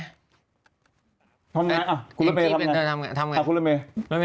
ทำยังไงอ่ะคุณเรมม่ายทำยังไงเอ้ยคุณเรมม่ายเป็นเธอทำยังไง